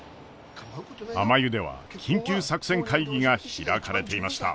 あまゆでは緊急作戦会議が開かれていました。